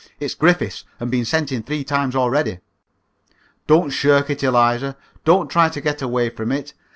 It's Griffiths, and been sent in three times already." "Don't shirk it, Eliza. Don't try to get away from it.